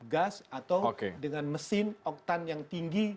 gas atau dengan mesin oktan yang tinggi